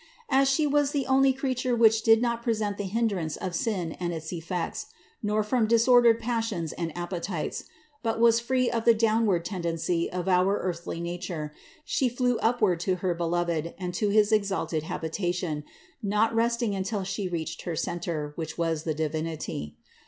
As She was the only Creature which did not present the hindrance of sin and its effects, nor from disordered passions and appetites, but was free of the downward tendency of our earthly nature, She flew upward to her Beloved and to his exalted habitation, not resting until She reached her Center, which was the Divinity.